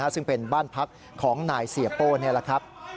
ซึ่งเป็นบ้านพักของนายเสียโป้นี่แหละครับ